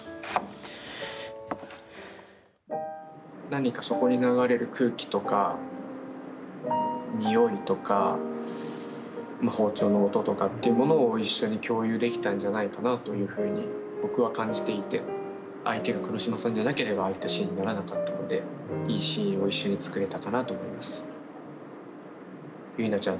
何かそこに流れる空気とか、においとか包丁の音とかっていうものを一緒に共有できたんじゃないかなというふうに僕は感じていて相手が黒島さんでなければああいったシーンにはならなかったので、いいシーンを一緒に作れたかなと思います。